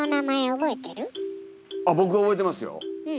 僕、覚えてますよ。